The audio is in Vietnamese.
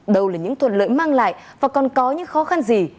đâu là những thuận lợi mang lại và còn có những khó khăn gì